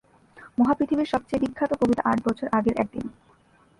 মহাপৃথিবী’র সবচেয়ে বিখ্যাত কবিতা আট বছর আগের একদিন।